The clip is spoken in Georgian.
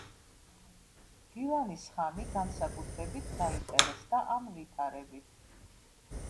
გილანის ხანი განსაკუთრებით დაინტერესდა ამ ვითარებით.